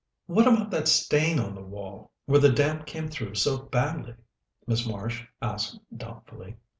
"What about that stain on the wall where the damp came through so badly?" Miss Marsh asked doubtfully.